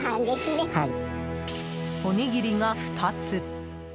おにぎりが２つ。